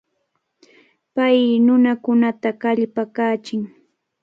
Pay nunakunata kallpakachin.